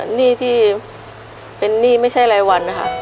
หนี้ที่เป็นหนี้ไม่ใช่รายวันนะคะ